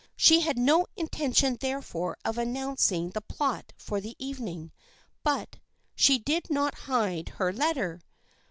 She had no intention therefore of announcing the plot for the evening, but — she did not hide her letter